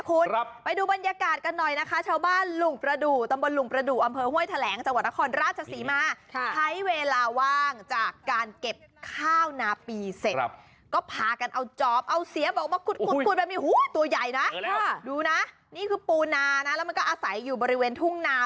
โอ้โหตัวใหญ่นะดูนะนี่คือปูนานะแล้วมันก็อาศัยอยู่บริเวณทุ่งนา